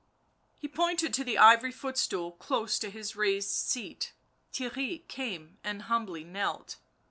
He pointed to the ivory footstool close to his raised seat; Theirry came and humbly knelt.